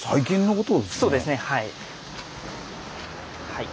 はい。